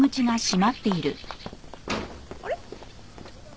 あれ？